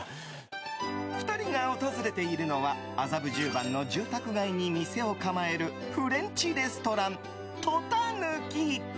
２人が訪れているのは麻布十番の住宅街に店を構えるフレンチレストランｔｏｔａｎｕｋｉ。